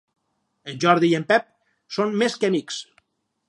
En Jordi i en Pep són més que amics.